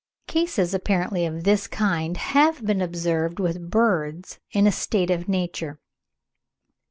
Cases apparently of this kind have been observed with birds in a state of nature.